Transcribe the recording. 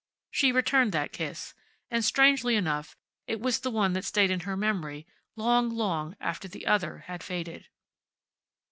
She returned that kiss, and, strangely enough, it was the one that stayed in her memory long, long after the other had faded.